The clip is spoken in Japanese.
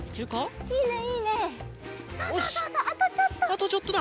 あとちょっとだ。